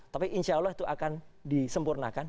tapi insya allah itu akan disempurnakan